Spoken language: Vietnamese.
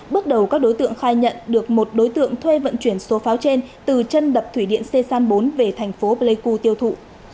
bước đầu các đối tượng khai nhận được một đối tượng thuê vận chuyển số pháo trên từ chân đập thủy điện sê san bốn về thành phố pleiku tiêu thụ